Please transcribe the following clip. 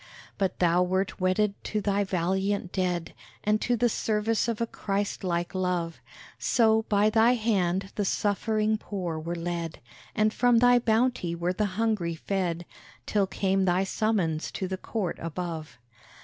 But thou wert wedded to thy valiant dead, And to the service of a Christ like love; So by thy hand the suffering poor were led, And from thy bounty were the hungry fed, Till came thy summons to the Court Above.